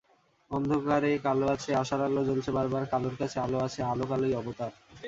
অন্ধকারে কালো আছে, আশার আলো জ্বলছে বারবার, কালোর কাছে আলো আছে, আলো-কালোই অবতার।